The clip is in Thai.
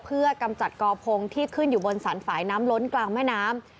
เพื่อกำจัดกอพงที่ขึ้นอยู่บนสรรฝ่ายน้ำล้นกลางแม่น้ำ